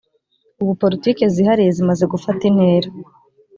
ubu politiki zihariye zimaze gufata intera